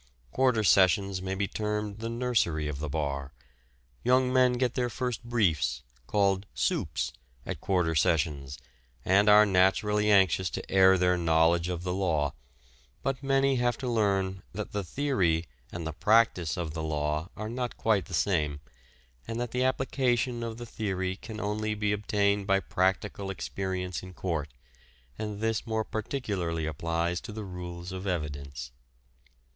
Quarter sessions may be termed the nursery of the Bar. Young men get their first briefs, called "soups," at quarter sessions, and are naturally anxious to air their knowledge of the law, but many have to learn that the theory and the practice of the law are not quite the same, and that the application of the theory can only be obtained by practical experience in court, and this more particularly applies to the rules of evidence.